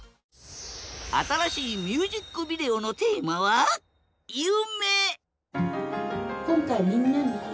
新しいミュージックビデオのテーマは夢